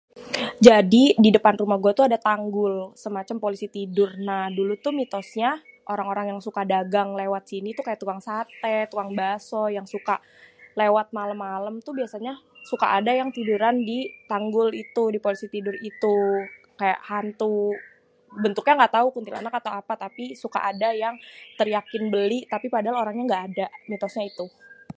Jadi di depan rumeh gua tuh ade tanggul semacem polisi tidur. Nah dulu tuh mitosnya orang yang suka dagang lewat situ kaya tukang sate, tukang baso, yang suka lewat malem-malem tuh biasanya suka ada yang tiduran ditanggul itu, kaya polisi tidur gitu kek hantu bentuknya, gatau kek kuntilanak atau apa, tapi suka ada yang teriakin beli tapi padahal orangnya gak ada udah mitosnya itu.